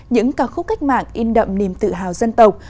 những ca khúc cách mạng in đậm niềm tự hào dân tộc